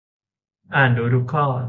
อ่านดูทุกข้อ